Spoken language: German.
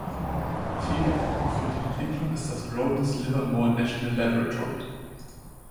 Federführend für die Entwicklung ist das Lawrence Livermore National Laboratory.